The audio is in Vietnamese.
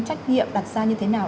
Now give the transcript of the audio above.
trách nhiệm đặt ra như thế nào